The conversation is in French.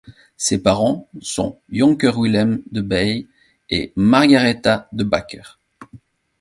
Ses parents sont Joncker Willem de Bye et Margaretha de Backer.